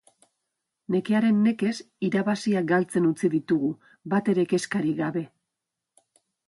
Nekearen nekez irabaziak galtzen utzi ditugu, batere kezkarik gabe.